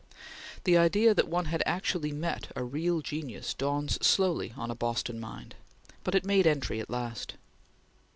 The idea that one has actually met a real genius dawns slowly on a Boston mind, but it made entry at last.